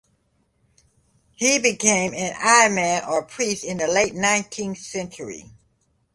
He became an imam or priest in the late nineteenth century.